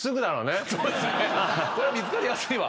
これは見つかりやすいわ。